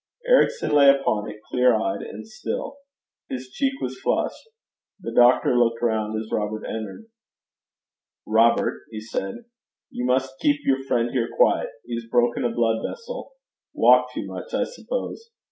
Ericson lay upon it, clear eyed, and still. His cheek was flushed. The doctor looked round as Robert entered. 'Robert,' he said, 'you must keep your friend here quiet. He's broken a blood vessel walked too much, I suppose.